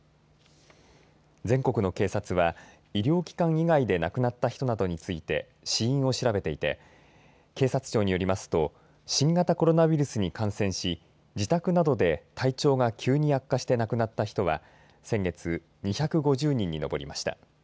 全国の警察は医療機関以外で亡くなった人などについて死因を調べていて警察庁によりますと新型コロナウイルスに感染し自宅などで体調が急に悪化して亡くなった人は先月２５０人に上りました。